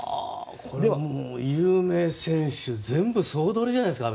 これは有名選手全部総取りじゃないですか。